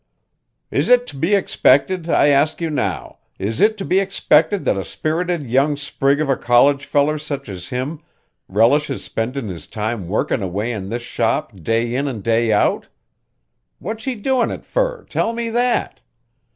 "Is it to be expected, I ask you now, is it to be expected that a spirited young sprig of a college feller such as him relishes spendin' his time workin' away in this shop day in an' day out? What's he doin' it fur, tell me that?